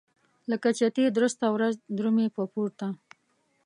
لکه چتي درسته ورځ درومي په پورته.